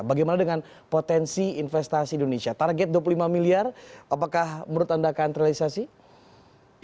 bagaimana dengan potensi investasi indonesia target dua puluh lima miliar apakah menurut anda akan terrealisasi